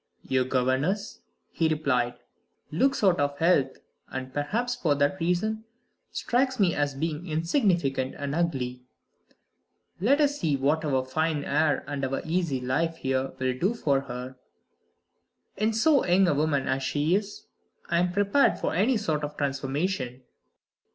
"Your governess," he replied, "looks out of health, and (perhaps for that reason) strikes me as being insignificant and ugly. Let us see what our fine air and our easy life here will do for her. In so young a woman as she is, I am prepared for any sort of transformation.